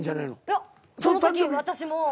いやそのとき私も。